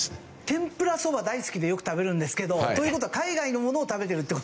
天ぷらそば大好きでよく食べるんですけどという事は海外のものを食べてるって事ですよね？